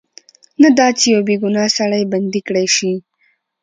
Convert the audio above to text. نه دا چې یو بې ګناه سړی بندي کړای شي.